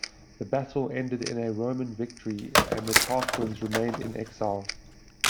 The battle ended in a Roman victory, and the Tarquins remained in exile.